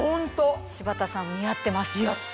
柴田さんも似合ってます。